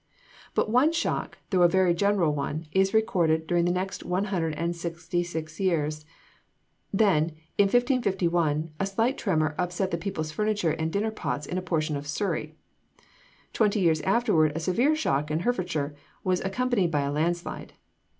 But one shock, though a very general one, is recorded during the next one hundred and sixty six years. Then in 1551 a slight tremor upset the people's furniture and dinner pots in a portion of Surrey. Twenty years afterward a severe shock in Herefordshire was accompanied by a landslide.